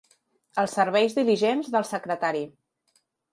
Els serveis diligents del secretari.